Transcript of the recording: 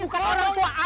bukan orang tua